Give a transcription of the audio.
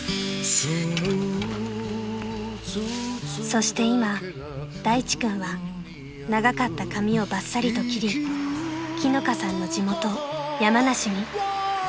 ［そして今大地君は長かった髪をばっさりと切り樹乃香さんの地元山梨に］